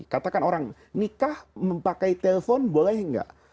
katakan orang nikah memakai telepon boleh nggak